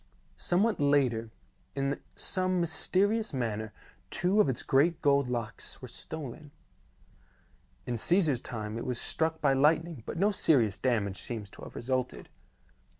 Somewhat later, in some mysterious manner, two of its great gold locks were stolen. In Caesar's time it was struck by lightning but no serious damage seems to have resulted.